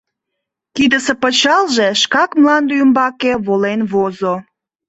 Кидысе пычалже шкак мланде ӱмбаке волен возо.